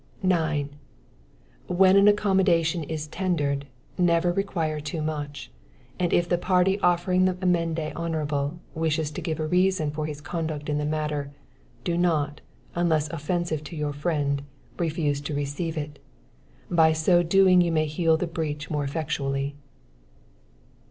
9. When an accommodation is tendered, never require too much; and if the party offering the amende honorable, wishes to give a reason for his conduct in the matter, do not, unless offensive to your friend, refuse to receive it; by so doing you may heal the breach more effectually.